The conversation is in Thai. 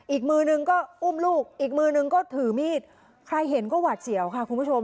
อีกมือนึงก็อุ้มลูกอีกมือนึงก็ถือมีดใครเห็นก็หวาดเสียวค่ะคุณผู้ชม